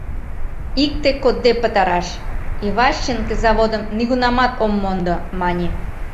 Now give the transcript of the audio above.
«Икте кодде пытараш: Иващенке заводым нигунамат ом мондо!» – мане.